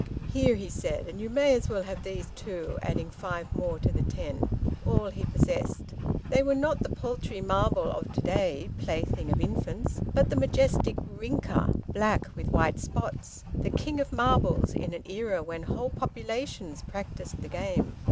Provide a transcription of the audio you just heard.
"Here," he said. "And you may as well have these, too," adding five more to the ten, all he possessed. They were not the paltry marble of to day, plaything of infants, but the majestic "rinker," black with white spots, the king of marbles in an era when whole populations practised the game.